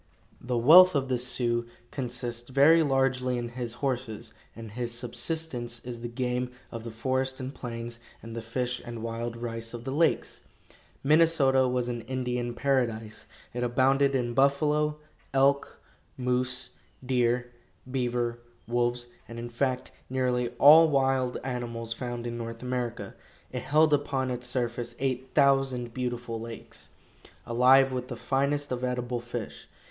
The wealth of the Sioux consists very largely in his horses, and his subsistence is the game of the forest and plains and the fish and wild rice of the lakes. Minnesota was an Indian paradise. It abounded in buffalo, elk, moose, deer, beaver, wolves, and, in fact, nearly all wild animals found in North America. It held upon its surface eight thousand beautiful lakes, alive with the finest of edible fish.